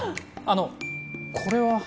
あのこれは？